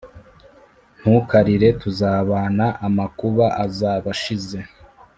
ntukarire tuzabana, amakuba’ azab’ ashize